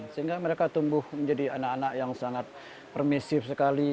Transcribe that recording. sehingga mereka tumbuh menjadi anak anak yang sangat permisif sekali